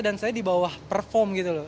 dan saya di bawah perform gitu loh